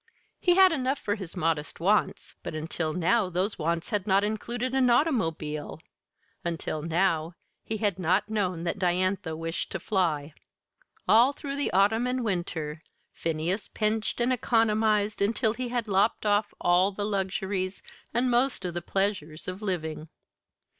He had enough for his modest wants, but until now those wants had not included an automobile until now he had not known that Diantha wished to fly. All through the autumn and winter Phineas pinched and economized until he had lopped off all of the luxuries and most of the pleasures of living.